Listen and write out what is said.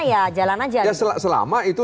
ya jalan saja ya selama itu